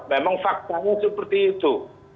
memang faktanya seperti itu